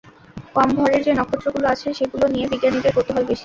কম ভরের যে নক্ষত্রগুলো আছে সেগুলো নিয়ে বিজ্ঞানীদের কৌতূহল বেশি।